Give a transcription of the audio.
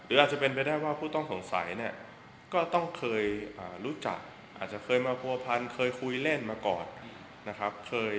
อาจจะเป็นไปได้ว่าผู้ต้องสงสัยเนี่ยก็ต้องเคยรู้จักอาจจะเคยมาผัวพันเคยคุยเล่นมาก่อนนะครับ